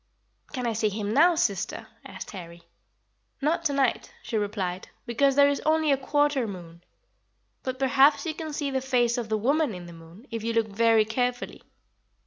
"Can I see him now, sister?" asked Harry. "Not to night," she replied, "because there is only a quarter moon. But perhaps you can see the face of the woman in the moon, if you look very carefully.